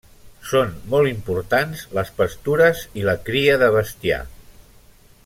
Són molt importants les pastures i la cria de bestiar.